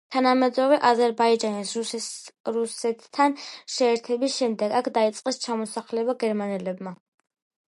თანამედროვე აზერბაიჯანის რუსეთთან შეერთების შემდეგ, აქ დაიწყეს ჩამოსახლება გერმანელებმა.